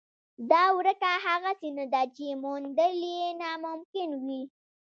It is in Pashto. دا ورکه هغسې نه ده چې موندل یې ناممکن وي.